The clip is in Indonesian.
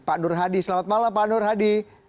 pak nur hadi selamat malam pak nur hadi